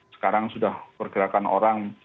sekarang sudah pergerakan orang